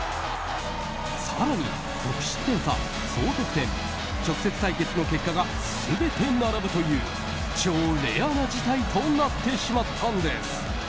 更に、得失点差、総得点直接対決の結果が全て並ぶという超レアな事態となってしまったんです。